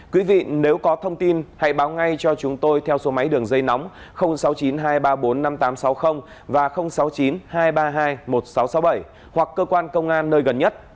quý vị nếu có thông tin hãy báo ngay cho chúng tôi theo số máy đường dây nóng sáu mươi chín hai trăm ba mươi bốn năm nghìn tám trăm sáu mươi và sáu mươi chín hai trăm ba mươi hai một nghìn sáu trăm sáu mươi bảy hoặc cơ quan công an nơi gần nhất